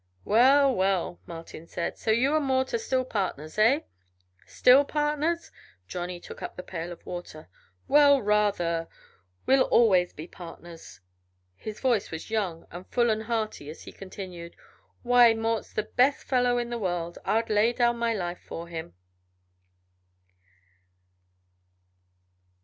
"Well, well!" Martin said. "So you and Mort are still partners, eh?" "Still partners?" Johnny took up the pail of water. "Well, rather! We'll always be partners." His voice was young and full and hearty as he continued: "Why, Mort's the best fellow in the world. I'd lay down my life for him."